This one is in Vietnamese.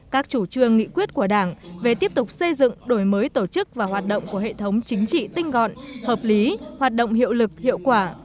các chủ trương nghị quyết của đảng về tiếp tục xây dựng đổi mới tổ chức và hoạt động của hệ thống chính trị tinh gọn hợp lý hoạt động hiệu lực hiệu quả